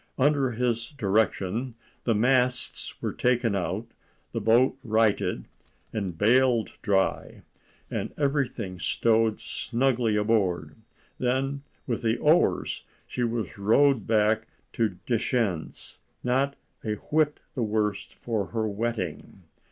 Under his directions the masts were taken out, the boat righted and bailed dry, and everything stowed snugly aboard. Then with the oars she was rowed back to Deschenes, not a whit the worse for her wetting.